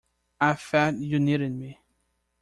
I felt you needed me.